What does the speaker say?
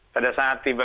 pada saat timbul